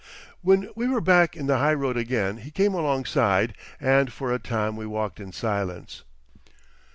When we were back in the high road again he came alongside, and for a time we walked in silence.